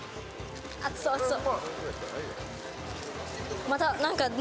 熱そう、熱そう。